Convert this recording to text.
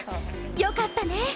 よかったね！